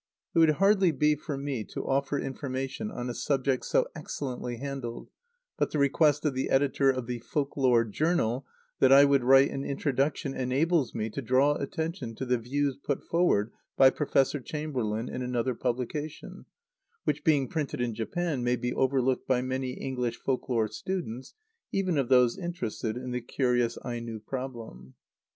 It would hardly be for me to offer information on a subject so excellently handled, but the request of the Editor of the Folk Lore Journal that I would write an Introduction enables me to draw attention to the views put forward by Professor Chamberlain in another publication,[A] which, being printed in Japan, may be overlooked by many English folk lore students, even of those interested in the curious Aino problem.